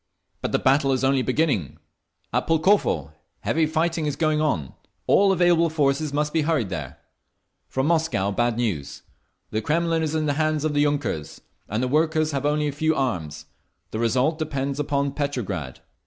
"But the battle is only beginning. At Pulkovo heavy fighting is going on. All available forces must be hurried there…. "From Moscow, bad news. The Kremlin is in the hands of the yunkers, and the workers have only a few arms. The result depends upon Petrograd.